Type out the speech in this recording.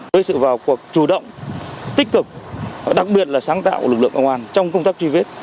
với sự vào cuộc chủ động tích cực đặc biệt là sáng tạo của lực lượng công an trong công tác truy vết